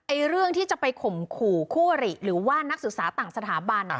เรื่องที่จะไปข่มขู่คู่อริหรือว่านักศึกษาต่างสถาบัน